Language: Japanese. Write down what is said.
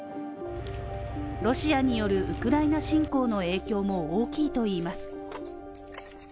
ロシアによるウクライナ侵攻の影響も大きいといいます。